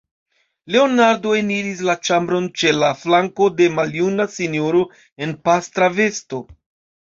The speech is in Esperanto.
Leonardo eniris la ĉambron ĉe la flanko de maljuna sinjoro en pastra vesto.